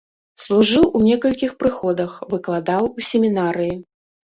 Служыў у некалькіх прыходах, выкладаў у семінарыі.